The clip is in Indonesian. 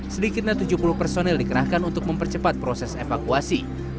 sedikitnya tujuh puluh personel dikerahkan untuk mempercepat proses evakuasi